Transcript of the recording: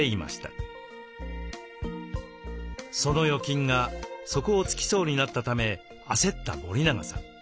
その預金が底をつきそうになったため焦った森永さん。